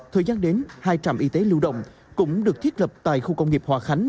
thời gian đến hai trạm y tế lưu động cũng được thiết lập tại khu công nghiệp hòa khánh